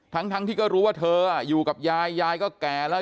ทั้งที่ก็รู้ว่าเธออยู่กับยายยายก็แก่แล้ว